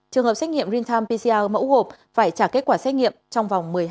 trường hợp xét nghiệm rintam pcr mẫu hộp phải trả kết quả xét nghiệm trong vòng một mươi hai giờ đồng hồ